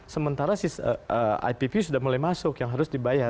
sementara si ipv sudah mulai masuk yang harus dibayar